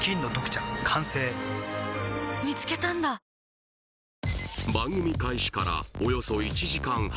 ＪＴ番組開始からおよそ１時間半